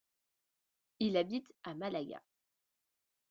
Il habite à Malaga.